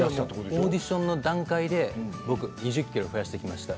オーディションの段階で２０ｋｇ増やしてきました